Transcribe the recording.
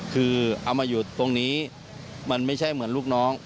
คือเอามาอยู่ตรงนี้มันไม่ใช่เหมือนลูกน้อง